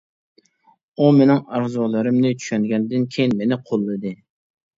ئۇ مېنىڭ ئارزۇلىرىمنى چۈشەنگەندىن كېيىن مېنى قوللىدى.